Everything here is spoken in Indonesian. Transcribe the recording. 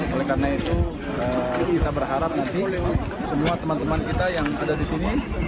oleh karena itu kita berharap nanti semua teman teman kita yang ada di sini